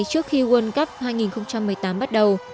trước khi world cup hai nghìn một mươi tám bắt đầu